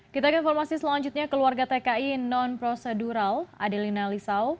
kita ke informasi selanjutnya keluarga tki non prosedural adelina lisau